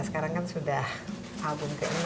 sekarang kan sudah album ke enam